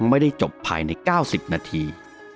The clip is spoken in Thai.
ไม่ได้จบภายใน๙๐นาที